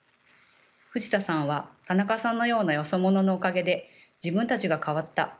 藤田さんは「田中さんのようなよそ者のおかげで自分たちが変わった。